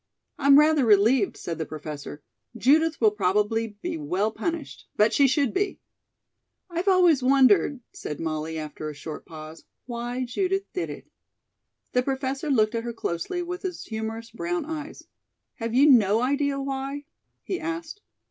"I'm rather relieved," said the Professor. "Judith will probably be well punished; but she should be." "I've always wondered," said Molly, after a short pause, "why Judith did it." The Professor looked at her closely with his humorous brown eyes. "Have you no idea why?" he asked.